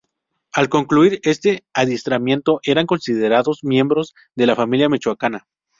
Al concluir este adiestramiento eran considerados miembros de La Familia Michoacana.